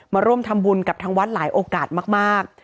มาร่วมทำบุญกับทางวัดหลายโอกาสมาก